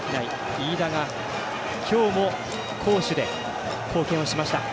飯田が今日も攻守で貢献をしました。